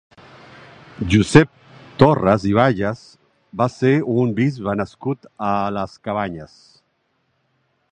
Josep Torras i Bages va ser un bisbe nascut a Les Cabanyes.